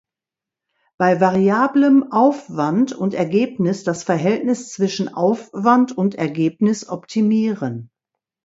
Bei variablem Aufwand und Ergebnis das Verhältnis zwischen Aufwand und Ergebnis optimieren.